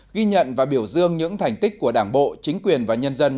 ghi nhận và biểu dương những thành tích của đảng bộ chính quyền và nhân dân